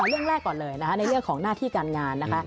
เรื่องแรกก่อนเลยนะคะในเรื่องของหน้าที่การงานนะคะ